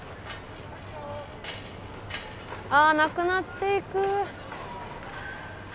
あなくなっていく。